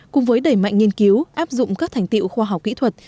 cùng với đẩy mạnh nghiên cứu áp dụng các thành tiệu khoa học kỹ thuật